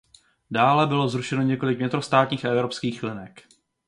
Dále bylo zrušeno několik vnitrostátních a evropských linek.